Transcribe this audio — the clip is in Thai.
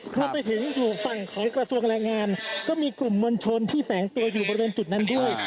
พอไปถึงรูปฝั่งของกระทรวงการแหละงานก็มีกลุ่มวนชนที่แฝงตัววันตัวอยู่บริเวณจุดนั้นด้วย